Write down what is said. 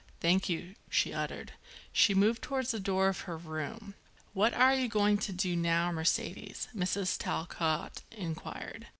"Thank you," she uttered. She moved towards the door of her room. "What are you going to do now, Mercedes?" Mrs. Talcott inquired.